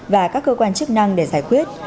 và các cơ quan chức năng để giải quyết